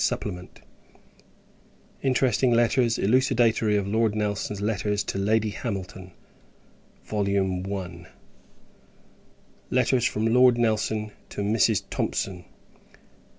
SUPPLEMENT. INTERESTING LETTERS, ELUCIDATORY OF Lord Nelson's Letters TO LADY HAMILTON. VOL. I. Letters FROM LORD NELSON TO MRS. THOMSON.